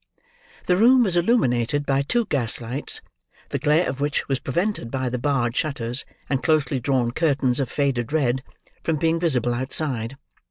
The room was illuminated by two gas lights; the glare of which was prevented by the barred shutters, and closely drawn curtains of faded red, from being visible outside.